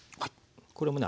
これもね